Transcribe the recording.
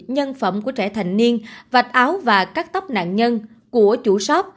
nhân phẩm của trẻ thành niên vạch áo và cắt tóc nạn nhân của chủ shop